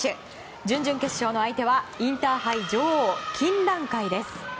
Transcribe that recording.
準々決勝の相手はインターハイ女王、金蘭会です。